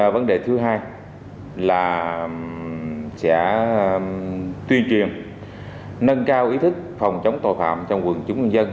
vấn đề thứ hai là sẽ tuyên truyền nâng cao ý thức phòng chống tội phạm trong quần chúng nhân dân